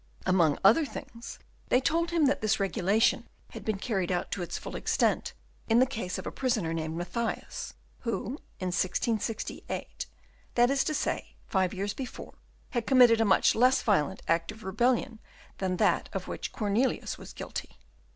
Among other things they told him that this regulation had been carried out to its full extent in the case of a prisoner named Mathias, who in 1668, that is to say, five years before, had committed a much less violent act of rebellion than that of which Cornelius was guilty.